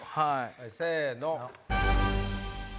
せの！